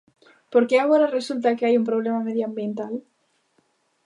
¿Por que agora resulta que hai un problema medioambiental?